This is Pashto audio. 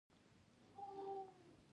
حیوان مه وژنه.